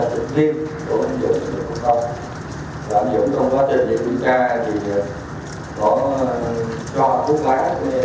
cứ điều trẻ mình cũng phải đáp phút lại